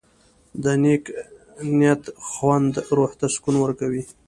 د نیک نیت خوند روح ته سکون ورکوي.